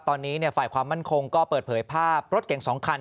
ตอนนี้ฝ่ายความมั่นคงก็เปิดเผยภาพรถเก่ง๒คัน